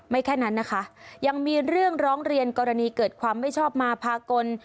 แค่นั้นนะคะยังมีเรื่องร้องเรียนกรณีเกิดความไม่ชอบมาพากล